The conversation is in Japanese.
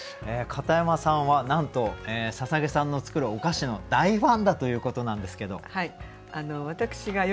片山さんはなんと捧さんの作るお菓子の大ファンだということなんですけど。